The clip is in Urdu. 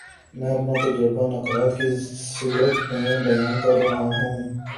میں اپنا تجزیہ نکات کی صورت میں بیان کر رہا ہوں۔